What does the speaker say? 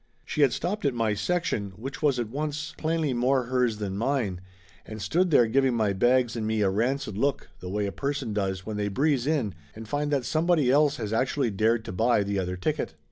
She had stopped at my section, which was at once Laughter Limited 57 plainly more hers than mine, and stood there giving my bags and me a rancid look the way a person does when they breeze in and find that somebody else has actually dared to buy the other ticket.